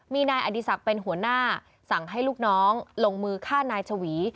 มีนายอดีศักดิ์เป็นหัวหน้าสั่งให้ลูกน้องลงมือฆ่านายชวี